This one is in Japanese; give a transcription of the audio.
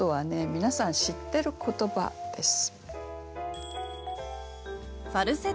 皆さん知ってる言葉です。